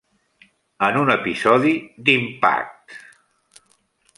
En un episodi d'"Impact"!